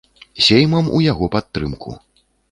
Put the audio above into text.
Сеймам у яго падтрымку.